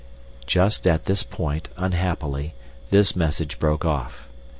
Just at this point, unhappily, this message broke off.